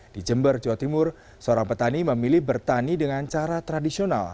di jember jawa timur seorang petani memilih bertani dengan cara tradisional